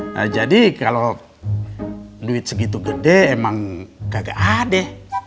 nah jadi kalo duit segitu gede emang kagak ada